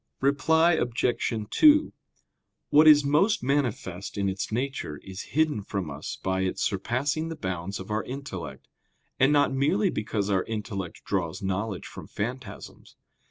Reply Obj. 2: What is most manifest in its nature is hidden from us by its surpassing the bounds of our intellect; and not merely because our intellect draws knowledge from phantasms.